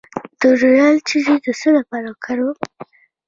د رویال جیلی د څه لپاره وکاروم؟